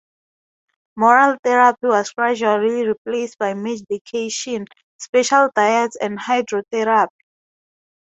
Moral therapy was gradually replaced by medication, special diets and hydrotherapy.